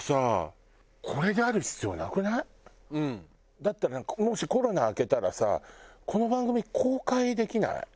だったらもしコロナ明けたらさこの番組公開できない？